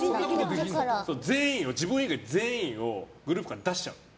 自分以外全員をグループから出しちゃうの。